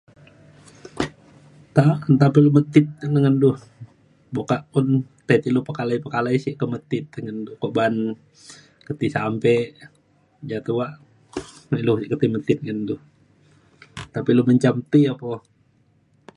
nta nta kelu metit te ngen du. bu kak un pet ilu pekalai pekalai sik ke metit tengen du uban ketit sampe ja tuak ilu kimet metit ngan du. tapi lu menjam ti o po.